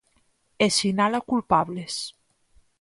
E sinala culpables.